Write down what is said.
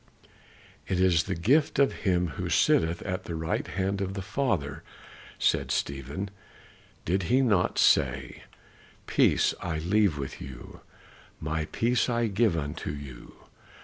"It is the gift of him who sitteth at the right hand of the Father," said Stephen. "Did he not say, 'Peace I leave with you, my peace I give unto you.